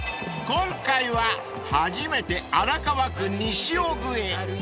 ［今回は初めて荒川区西尾久へ］